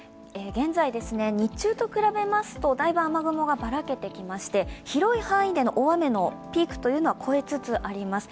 現在、日中と比べますと、だいぶ雨雲がばらけてきまして広い範囲での大雨のピークというのは越えつつあります。